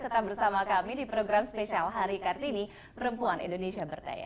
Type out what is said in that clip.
tetap bersama kami di program spesial hari kartini perempuan indonesia berdaya